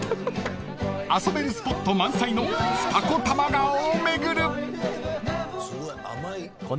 ［遊べるスポット満載の二子玉川を巡る］